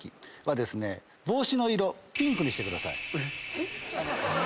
えっ！